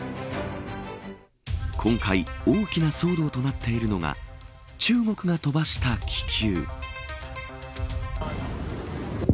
今回大きな騒動となっているのが中国が飛ばした気球。